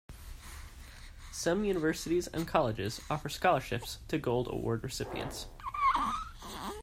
Some universities and colleges offer scholarships to Gold Award recipients.